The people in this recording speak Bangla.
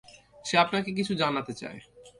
সে আপনাকে কিছু জানাতে চায়।